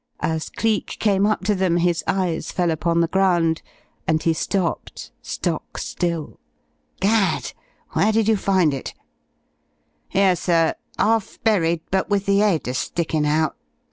As Cleek came up to them, his eyes fell upon the ground, and he stopped stock still. "Gad!... Where did you find it?" "Here, sir; half buried, but with the 'ead a stickin' out!"